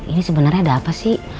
ini sebenarnya ada apa sih